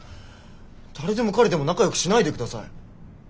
誰でも彼でも仲よくしないでください。